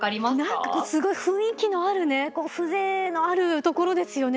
何かすごい雰囲気のある風情のある所ですよね。